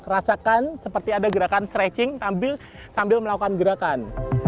rasakan seperti ada gerakan stretching sambil melakukan gerakan